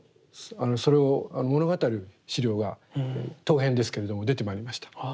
それを物語る資料が陶片ですけれども出てまいりました。